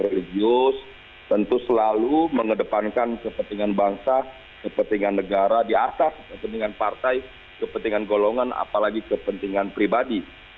religius tentu selalu mengedepankan kepentingan bangsa kepentingan negara di atas kepentingan partai kepentingan golongan apalagi kepentingan pribadi